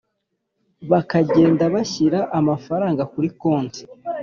bakagenda bashyira amafaranga kuri konti